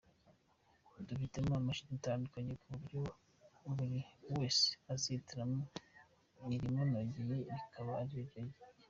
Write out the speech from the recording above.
Dufitemo amashami atandukanye ku buryo buri wese azihitiramo irimunogeye rikaba ari ryo yiga”.